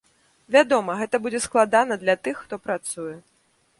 Вядома, гэта будзе складана для тых, хто працуе.